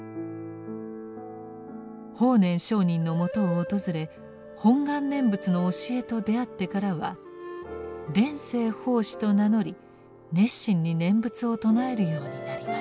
法然上人のもとを訪れ本願念仏の教えとであってからは「蓮生法師」と名乗り熱心に念仏を称えるようになります。